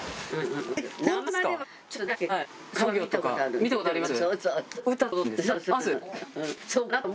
見たことあります？